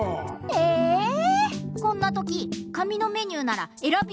ええ⁉こんなとき紙のメニューならえらび